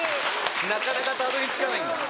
なかなかたどり着かないんだ。